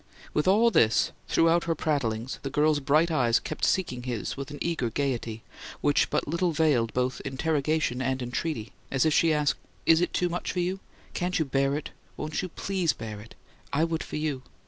With all this, throughout her prattlings, the girl's bright eyes kept seeking his with an eager gayety, which but little veiled both interrogation and entreaty as if she asked: "Is it too much for you? Can't you bear it? Won't you PLEASE bear it? I would for you.